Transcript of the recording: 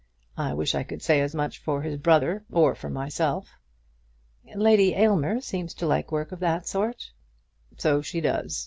I wish I could say as much for his brother, or for myself." "Lady Aylmer seems to like work of that sort." "So she does.